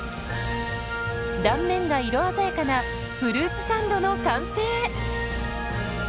断面が色鮮やかなフルーツサンドの完成。